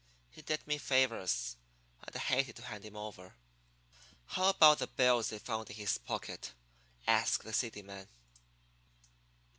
He did me favors, and I hated to hand him over." "How about the bills they found in his pocket?" asked the seedy man.